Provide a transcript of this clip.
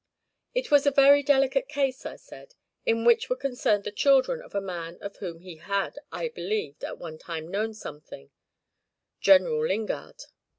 It was a very delicate case, I said, in which were concerned the children of a man of whom he had, I believed, at one time known something General Lingard.